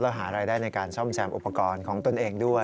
และหารายได้ในการซ่อมแซมอุปกรณ์ของตนเองด้วย